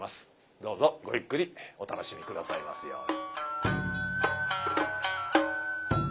どうぞごゆっくりお楽しみ下さいますように。